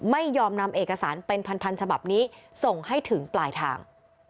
ไม่ยอมนำเอกสารเป็นพันฉบับนี้ส่งให้ถึงปลายทาง